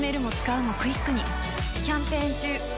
キャンペーン中。